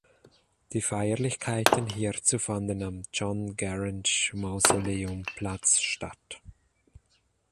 Die Feierlichkeiten hierzu fanden am John-Garang-Mausoleum-Platz statt.